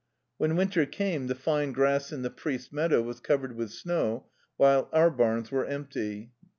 When winter came the fine grass in the priest's meadow was covered with snow, while our barns were empty.